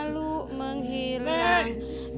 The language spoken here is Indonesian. lepasin saya nek